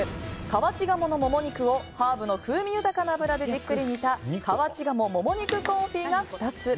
河内鴨もも肉をハーブの風味豊かな油でじっくり煮た河内鴨もも肉コンフィが２つ。